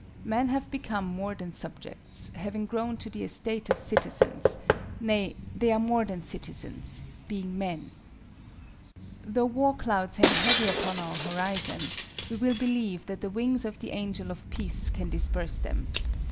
Men have become more than subjects, having grown to the estate of citizens: nay, they are more than citizens, being men. Though war clouds hang heavy upon our horizon, we will believe that the wings of the angel of peace can disperse them.